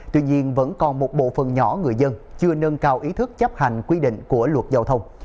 tuy nhiên vẫn còn một bộ phần nhỏ người dân chưa nâng cao ý thức chấp hành quy định của luật giao thông